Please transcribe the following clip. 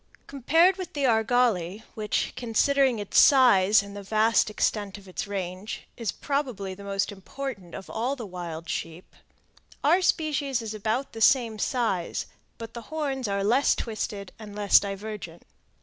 Compared with the argali, which, considering its size and the vast extent of its range, is probably the most important of all the wild sheep, our species is about the same size, but the horns are less twisted and less divergent.